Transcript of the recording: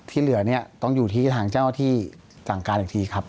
เหลือเนี่ยต้องอยู่ที่ทางเจ้าที่สั่งการอีกทีครับ